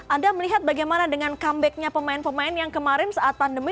anda melihat bagaimana dengan comebacknya pemain pemain yang kemarin saat pandemi